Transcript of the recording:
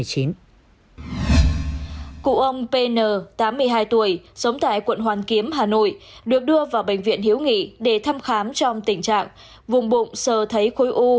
cụ ông pn tám mươi hai tuổi sống tại quận hoàn kiếm hà nội được đưa vào bệnh viện hiếu nghị để thăm khám trong tình trạng vùng bụng sơ thấy khối u